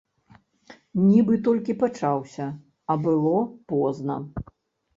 Нібы толькі пачаўся, а было позна.